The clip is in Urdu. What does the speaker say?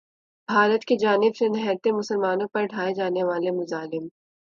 بھارت کی جانب سے نہتے مسلمانوں پر ڈھائے جانے والے مظالم